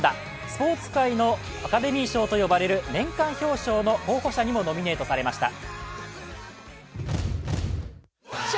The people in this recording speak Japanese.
スポーツ界のアカデミー賞と呼ばれる年間表彰の候補者にもノミネートされました。